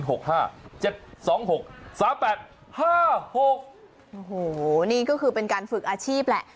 โอ้โหนี่ก็คือเป็นการฝึกอาชีพแหละ